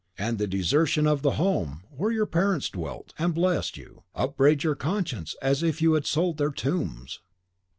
And the desertion of the home where your parents dwelt, and blessed you, upbraids your conscience as if you had sold their tombs.